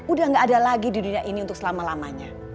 udah gak ada lagi di dunia ini untuk selama lamanya